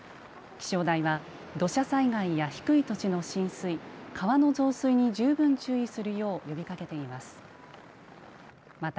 気象台は土砂災害や低い土地の浸水川の増水に十分注意するよう呼びかけています。